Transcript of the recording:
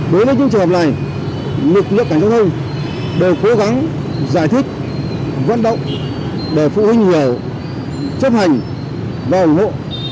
đối với những trường hợp này lực lượng cảnh sát thông đều cố gắng giải thích vấn động để phụ huynh hiểu chấp hành và ủng hộ